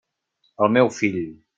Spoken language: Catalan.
El meu fill.